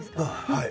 はい。